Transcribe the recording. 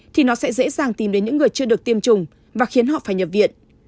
thì nó sẽ dễ dàng tìm đến những người chưa được tiêm chủng và khiến họ phải nhập viện